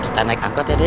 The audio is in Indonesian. kita naik angkot ya dia